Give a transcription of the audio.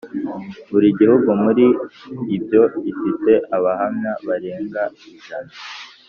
Buri gihugu muri ibyo gifite Abahamya barenga ijana